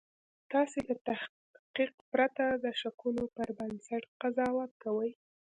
تاسې له تحقیق پرته د شکونو پر بنسټ قضاوت کوئ